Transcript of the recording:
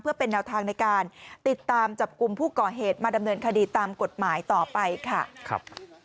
เพื่อเป็นแนวทางในการติดตามจับกลุ่มผู้ก่อเหตุมาดำเนินคดีตามกฎหมายต่อไปค่ะครับ